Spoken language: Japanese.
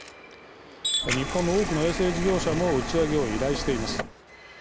日本の多くの衛星事業者も打ち上げを依頼しています。